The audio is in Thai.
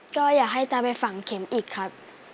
ก็อยากให้ตาไปฝังเข็มอีกครับ